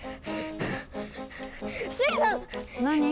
何？